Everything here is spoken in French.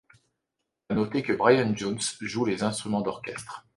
À noter que Brian Jones joue les instruments d'orchestre.